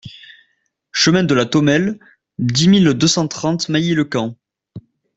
Chemin de la Tomelle, dix mille deux cent trente Mailly-le-Camp